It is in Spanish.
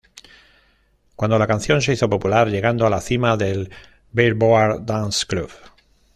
Cuando la canción se hizo popular, llegando a la cima del Billboard Dance Club.